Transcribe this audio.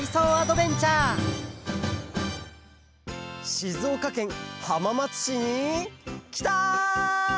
しずおかけんはままつしにきた！